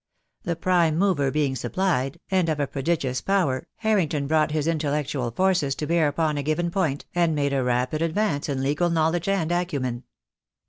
The prime mover being supplied, and of a pro digious power, Harrington brought his intellectual forces to bear upon a given point, and made a rapid advance in legal knowledge and acumen.